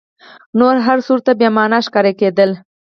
نور هر څه ورته بې مانا ښکارېدل.